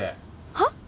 はっ？